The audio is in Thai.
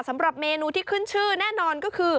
สำหรับเมนูที่ขึ้นชื่อแน่นอนก็คือ